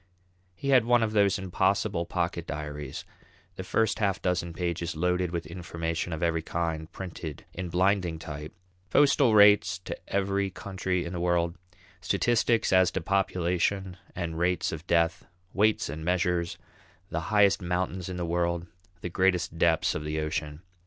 He had one of those impossible pocket diaries, the first half dozen pages loaded with information of every kind printed in blinding type, postal rates to every country in the world, statistics as to population and rates of death, weights and measures, the highest mountains in the world, the greatest depths of the ocean.